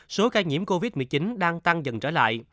số ca nhiễm covid một mươi chín đang tăng dần trở lại